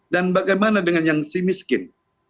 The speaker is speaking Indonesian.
dan bagaimana dengan yang si miskin